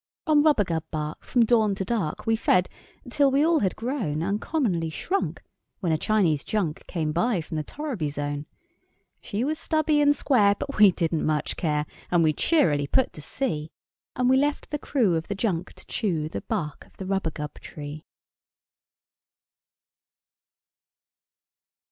On rubagub bark, from dawn to dark, We fed, till we all had grown Uncommonly shrunk, when a Chinese junk Came by from the torriby zone. She was stubby and square, but we didn't much care, And we cheerily put to sea; And we left the crew of the junk to chew The bark of the rubagub tree.